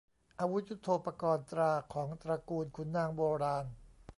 อาวุธยุทโธปกรณ์ ตราของตระกูลขุนนางโบราณ